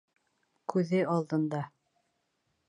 Күҙе алдында.